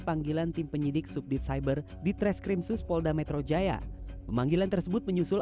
panggilan tim penyidik subdit cyber di treskrim suspolda metro jaya pemanggilan tersebut menyusul